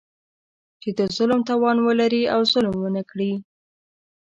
چې د ظلم توان ولري او ظلم ونه کړي.